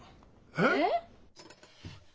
えっ？